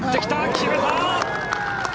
決めた！